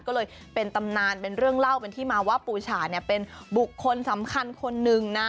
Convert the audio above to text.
ก็เลยเป็นตำนานเป็นเรื่องเล่าเป็นที่มาว่าปูฉาเนี่ยเป็นบุคคลสำคัญคนหนึ่งนะ